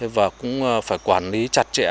và cũng phải quản lý chặt chẽ